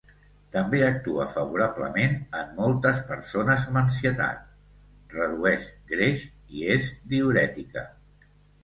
També actua favorablement en moltes persones amb ansietat, redueix greix i és diürètica.